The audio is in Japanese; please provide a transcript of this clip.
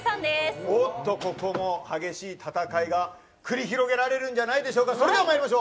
ここも激しい戦いが繰り広げられるんじゃないでしょうかまいりましょう。